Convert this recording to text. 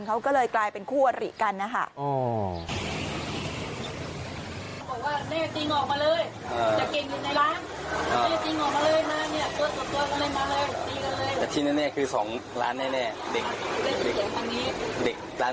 เขาก็เลยกลายเป็นคู่อริกันนะคะ